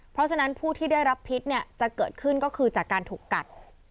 เพราะฉะนั้นผู้ที่ได้รับพิษเนี่ยจะเกิดขึ้นก็คือจากการถูกกัด